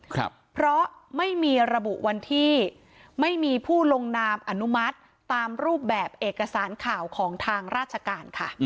ครับเพราะไม่มีระบุวันที่ไม่มีผู้ลงนามอนุมัติตามรูปแบบเอกสารข่าวของทางราชการค่ะ